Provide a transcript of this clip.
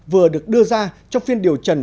vừa được đưa ra trong phiên điều trần